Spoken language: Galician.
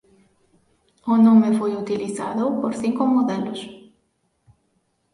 O nome foi utilizado por cinco modelos.